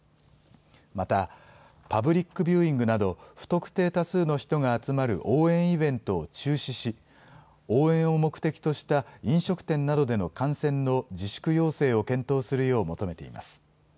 また、パブリックビューイングなど、不特定多数の人が集まる応援イベントを中止し、応援を目的とした飲食店などでの観戦の自粛要請を検討するよう求めています。